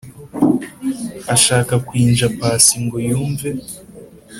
ashaka kwinja pasi ngo yumve